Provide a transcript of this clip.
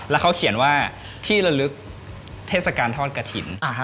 แล้วเขาเขียนว่าที่ระลึกเทศกาลทอดกระถิ่น